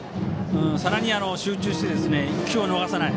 さらに集中して１球を逃さない。